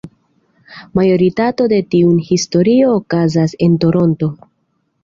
Majoritato de tiuj historioj okazas en Toronto.